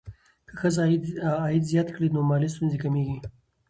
که ښځه عاید زیات کړي، نو مالي ستونزې کمېږي.